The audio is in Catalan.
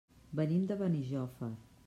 Venim de Benijòfar.